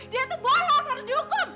dia itu bolos harus dihukum